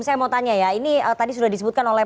saya mau tanya ya ini tadi sudah disebutkan oleh